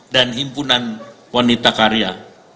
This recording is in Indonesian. dan himpunan wanita karya